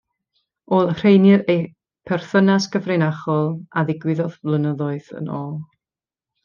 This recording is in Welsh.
Olrheinir eu perthynas gyfrinachol a ddigwyddodd flynyddoedd yn ôl.